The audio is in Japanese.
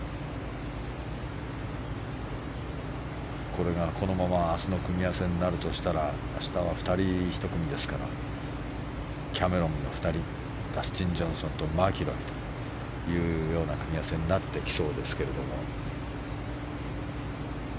これがこのまま明日の組み合わせになるとしたら明日は２人１組ですからキャメロンが２人ダスティン・ジョンソンとマキロイというような組み合わせになってきそうですけれども。